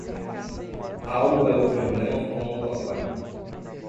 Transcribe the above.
Algo é o problema com o papai.